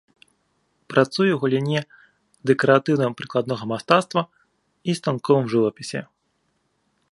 Працуе ў галіне дэкаратыўна-прыкладнога мастацтва і станковым жывапісе.